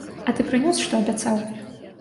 А ты прынёс, што абяцаў?